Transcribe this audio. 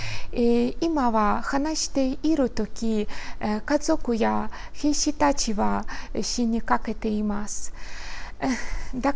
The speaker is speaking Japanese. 今は話しているとき、家族や兵士たちは死にかけています。